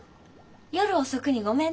夜遅くにごめんね。